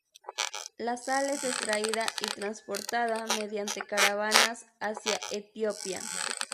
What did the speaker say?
La sal es extraída y transportada mediante caravanas hacia Etiopía.